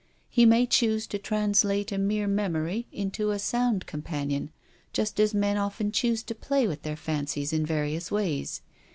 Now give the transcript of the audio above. He may choose to translate a mere memory into a sound com panion, just as men often choose to play with their fancies in various ways.